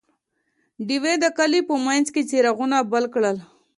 ډیوې د کلي په منځ کې څراغونه بل کړل.